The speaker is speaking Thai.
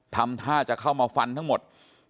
ทำท่าจะเข้ามาฟันทั้งหมด